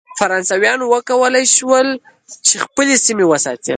فرانسویانو وکولای شول چې خپلې سیمې وساتي.